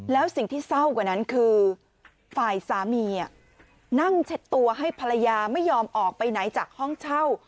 แล้วสิ่งที่เศร้ากว่านั้นคือฝ่ายสามีนั่งเช็ดตัวให้ภรรยาไม่ยอมออกไปไหนจากห้องเช่า